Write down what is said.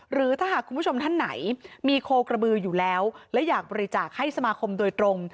หรือถ้าหากคุณผู้ชมท่านไหนมีโคกระบืออยู่แล้วและอยากบริจาคให้สมาคมโดยตรง